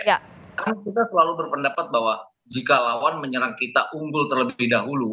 karena kita selalu berpendapat bahwa jika lawan menyerang kita unggul terlebih dahulu